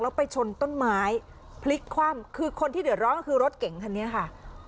แล้วไปชนต้นไม้พลิกคว่ำคือคนที่เดือดร้อนก็คือรถเก๋งคันนี้ค่ะ